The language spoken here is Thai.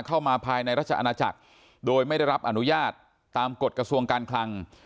เข้ามาภายในราชอาณาจักรโดยไม่ได้รับอนุญาตตามกฎกระทรวงการคลัง